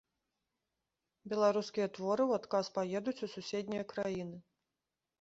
Беларускія творы у адказ паедуць у суседнія краіны.